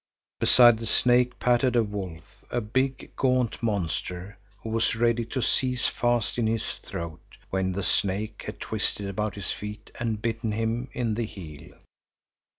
Beside the snake pattered a wolf, a big, gaunt monster, who was ready to seize fast in his throat when the snake had twisted about his feet and bitten him in the heel.